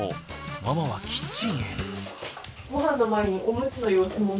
ママはキッチンへ。